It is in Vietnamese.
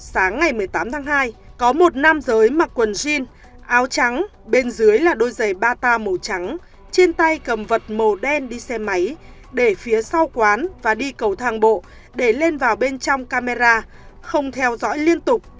sáng ngày một mươi tám tháng hai có một nam giới mặc quần jean áo trắng bên dưới là đôi giày bata màu trắng trên tay cầm vật màu đen đi xe máy để phía sau quán và đi cầu thang bộ để lên vào bên trong camera không theo dõi liên tục